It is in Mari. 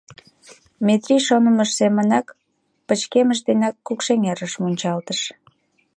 Метрий шонымыж семынак пычкемыш денак Кукшеҥерыш мунчалтыш.